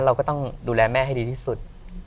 เราก็ต้องดูแลแม่ให้ดีที่สุด